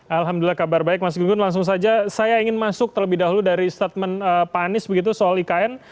alhamdulillah kabar baik mas gunggun langsung saja saya ingin masuk terlebih dahulu dari statement pak anies begitu soal ikn